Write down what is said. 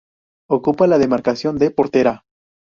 Ocupa la demarcación de Portera.